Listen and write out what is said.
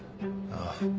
ああ。